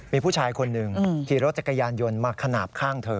มีผู้ชายคนหนึ่งขี่รถจักรยานยนต์มาขนาบข้างเธอ